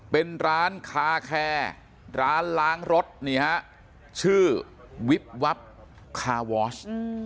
เป็นร้านคาแคร์ร้านล้างรถนี่ฮะชื่อวิบวับคาวอช